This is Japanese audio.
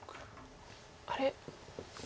あれ？